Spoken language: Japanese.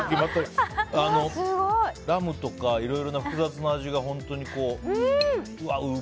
ラムとかいろいろ複雑な味が本当にこう。